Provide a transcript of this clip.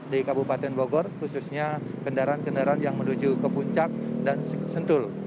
di kabupaten bogor khususnya kendaraan kendaraan yang menuju ke puncak dan sentul